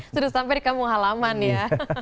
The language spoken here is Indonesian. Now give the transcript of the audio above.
sudah sampai di kampung halaman ya